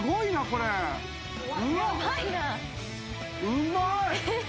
うまい。